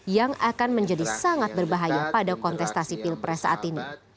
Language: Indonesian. yang akan menjadi sangat berbahaya pada kontestasi pilpres saat ini